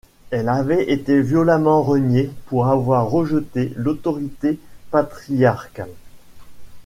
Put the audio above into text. Elle avait été violemment reniée pour avoir rejeté l’autorité patriarcale.